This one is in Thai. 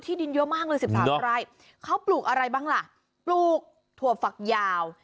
ดินเยอะมากเลยสิบสามไร่เขาปลูกอะไรบ้างล่ะปลูกถั่วฝักยาว